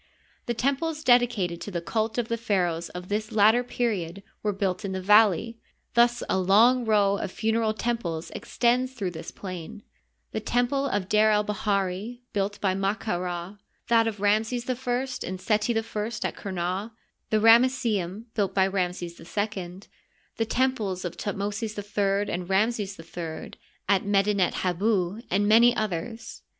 The temples dedicated to the cult of the pharaohs of this latter period were built in the valley — thus a long row of funereal temples extends through this plain : the temple of D6r el bahiri, built by Ma ka Rsl; that of Ramses I and Seti I at Qumah ; tne Ramesseum, built by Ramses II; the temples of Thutmosis III and Ramses III at Medtnet Habu, and many others.